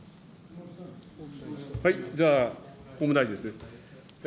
じゃあ、法務大臣ですね。